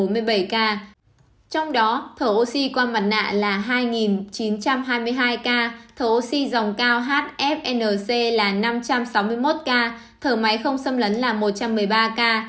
trong đó thở oxy qua mặt nạ là hai chín trăm hai mươi hai ca thấu si dòng cao hfnc là năm trăm sáu mươi một ca thở máy không xâm lấn là một trăm một mươi ba ca